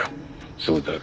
そうだろ？